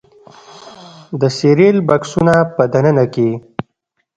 د سیریل بکسونو په دننه کې